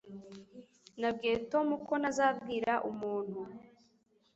Nabwiye Tom ko ntazabwira umuntu